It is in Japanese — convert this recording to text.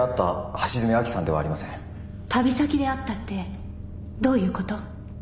旅先で会ったってどういうこと？